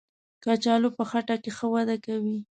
کچالو په خټه کې ښه وده کوي